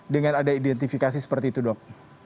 dengan ada identifikasi seperti itu dok